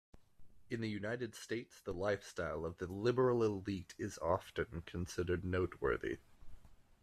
In the United States, the lifestyle of the liberal elite is often considered noteworthy.